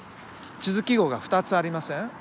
地図記号が２つありません？